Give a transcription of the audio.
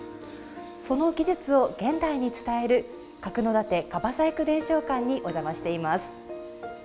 その技術を現代に伝える角館樺細工伝承館にお邪魔しています。